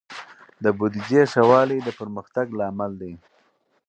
د بودیجې ښه والی د پرمختګ لامل دی.